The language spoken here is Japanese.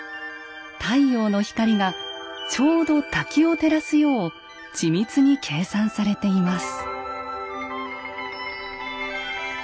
太陽の光がちょうど滝を照らすよう緻密に計算されています。